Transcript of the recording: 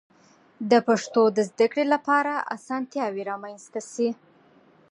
د پښتو د زده کړې لپاره آسانتیاوې رامنځته شي.